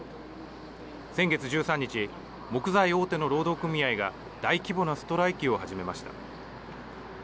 先月１３日木材大手の労働組合が大規模なストライキを始めました。